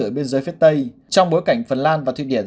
biên giới phía tây trong bối cảnh phần lan và thụy điển